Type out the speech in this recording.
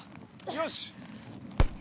よし！